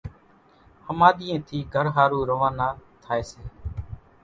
ۿماڌِيئين ٿي گھر ۿارُو روانا ٿائيَ سي